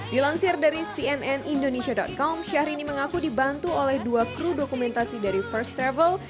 dilansir dari cnn indonesia com syahrini mengaku dibantu oleh dua kru dokumentasi dari first travel